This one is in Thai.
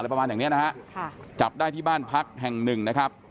อะไรประมาณอย่างเนี้ยนะฮะจับได้ที่บ้านพักแห่ง๑นะครับ